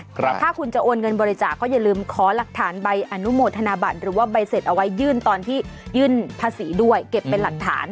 ถ้าคุณจะโอนเงินบริจาคก็อย่าลืมขอหลักฐานใบอนุโมทนาบัตรหรือว่าใบเสร็จเอาไว้ยื่นตอนที่ยื่นภาษีด้วยเก็บเป็นหลักฐาน